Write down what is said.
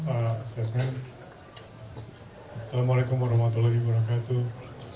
assalamualaikum warahmatullahi wabarakatuh